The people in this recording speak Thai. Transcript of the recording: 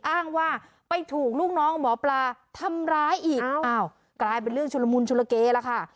อ้างว่าไปถูกลูกน้องหมอปลาทำร้ายอีกอ้าวกลายเป็นเรื่องชุลมุนชุลเกแล้วค่ะ